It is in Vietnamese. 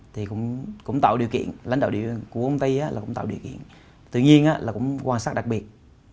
thì cũng tạo điều kiện lãnh đạo của công ty là cũng tạo điều kiện tự nhiên là cũng quan sát đặc biệt